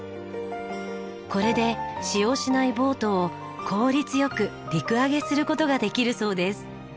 これで使用しないボートを効率良く陸揚げする事ができるそうです。